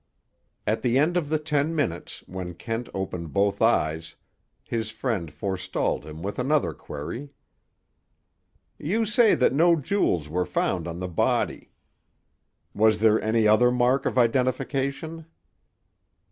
At the end of the ten minutes, when Kent opened both eyes, his friend forestalled him with another query. "You say that no jewels were found on the body. Was there any other mark of identification?"